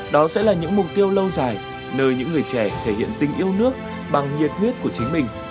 đó sẽ là những mục tiêu lâu dài nơi những người trẻ thể hiện tình yêu nước bằng nhiệt huyết của chính mình